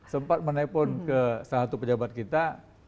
sempat menelpon ke salah satu pejabat kita